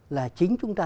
là chính chúng ta